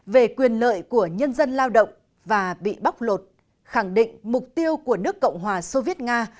về quyền lợi của nhân dân lao động và bị bóc lột khẳng định mục tiêu của nước cộng hòa soviet nga